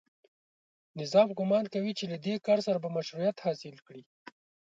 نظام ګومان کوي چې له دې کار سره به مشروعیت حاصل کړي